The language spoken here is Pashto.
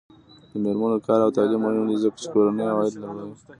د میرمنو کار او تعلیم مهم دی ځکه چې کورنۍ عاید لوړوي.